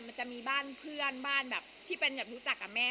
มันจะมีบ้านเพื่อนบ้านแบบที่เป็นแบบรู้จักกับแม่